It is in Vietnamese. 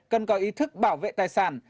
cần có ý thức bảo vệ tài sản